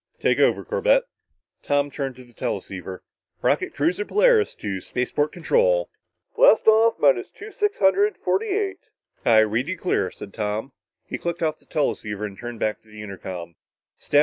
"Take over, Corbett." Tom turned to the teleceiver. "Rocket cruiser Polaris to spaceport control." "... Blast off minus two six hundred forty eight...." "I read you clear," said Tom. He clicked off the teleceiver and turned back to the intercom.